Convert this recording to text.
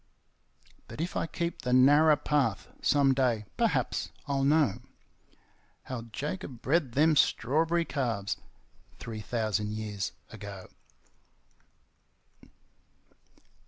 _But if I keep the narrer path, some day, perhaps, I'll know How Jacob bred them strawberry calves three thousand years ago.